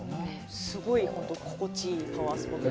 すごい心地いいパワースポットで。